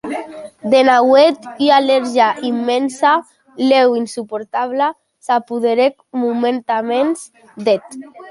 De nauèth ua alegria immensa, lèu insuportabla, s’apoderèc momentanèaments d’eth.